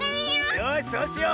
よしそうしよう！